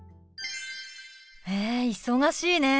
へえ忙しいね。